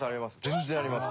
全然あります。